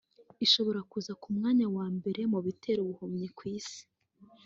ishobora kuza ku mwanya wa mbere mu bitera ubuhumyi ku isi